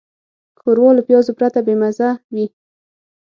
ښوروا له پیازو پرته بېمزه وي.